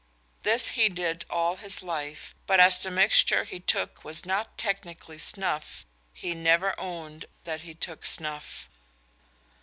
This he did all his life, but as the mixture he took was not technically snuff, he never owned that he took snuff.